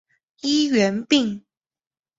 医源病。